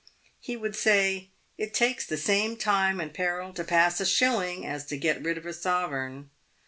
He would say, " It takes the same time and peril to pass a shilling as to get rid of a sovereign.